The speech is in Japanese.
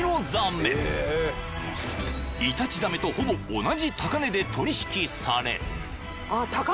［イタチザメとほぼ同じ高値で取引され］